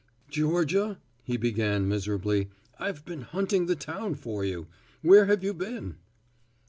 "Georgia," he began miserably, "I've been hunting the town for you. Where have you been?"